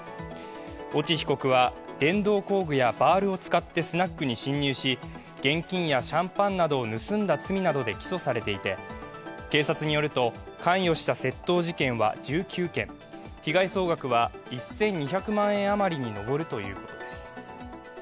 越智被告は電動工具やバールを使ってスナックに侵入し、現金やシャンパンなどを盗んだ罪などで起訴されていて警察によると関与した窃盗事件は１９件被害総額は１２００万円余りに上るということです。